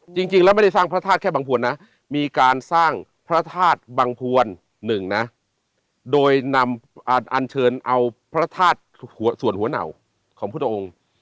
จริงแล้วไม่ได้สร้างพระธาตุแค่บังพวนนะมีการสร้างพระธาตุบังพวนหนึ่งนะโดยนำอันเชิญเอาพระธาตุส่วนหัวเหนาของพุทธองค์